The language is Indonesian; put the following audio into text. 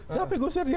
siapa yang ngusir dia